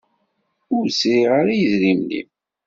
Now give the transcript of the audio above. Ur sriɣ ara i idrimen-im.